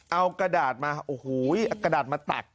เอากระดาษมาโอ้โหเอากระดาษมาตัก